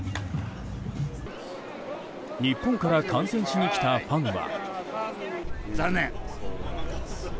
日本から観戦しに来たファンは。